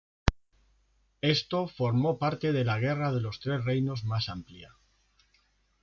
Esto formó parte de la Guerra de los Tres Reinos más amplia.